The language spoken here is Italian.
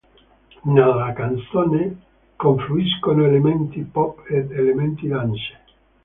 Nella canzone confluiscono elementi pop ed elementi dance.